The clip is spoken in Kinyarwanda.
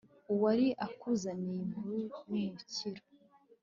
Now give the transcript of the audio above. uwari akuzaniye inkuru y'umukiro